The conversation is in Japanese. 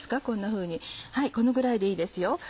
こんなふうにこのぐらいでいいですよ。